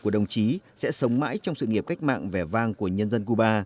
của đồng chí sẽ sống mãi trong sự nghiệp cách mạng vẻ vang của nhân dân cuba